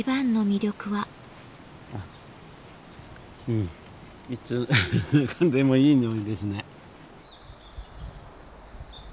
うんいつ嗅いでもいい匂いですね。